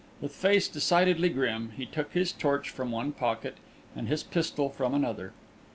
With face decidedly grim, he took his torch from one pocket and his pistol from another.